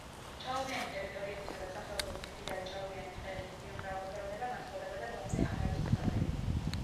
ჭაობიანი ტერიტორიებისა და სახეობებით მდიდარი ჭაობიანი ტყეების ბიომრავალფეროვნება განსხვავდება და ბოლომდე არ არის ცნობილი.